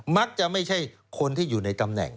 มักจะไม่ใช่คนที่อยู่ในตำแหน่ง